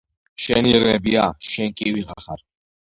შენი ირმებია? შენ კი ვიღა ხარ?